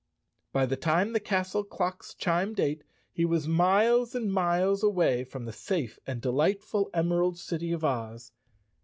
By the time the castle clocks chimed eight, he was miles and miles away from the safe and delight¬ ful Emerald City of Oz.